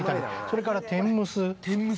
それから天むす。